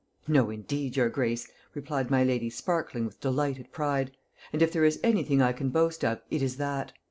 "No, indeed, your grace," replied my lady, sparkling with delighted pride; "and if there is anything I can boast of, it is that.